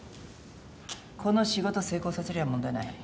この仕事成功させりゃ問題ない。